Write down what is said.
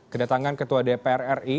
kedatangan ketua dpr ri